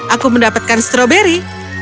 aku mendapatkan stroberi